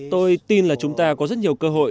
tôi tin là chúng ta có rất nhiều cơ hội